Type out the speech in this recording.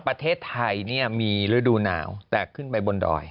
ประเทศไทยมีฤดูหนาวแต่ขึ้นไปบนดอย